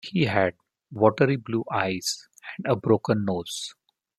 He had watery blue eyes and a broken nose.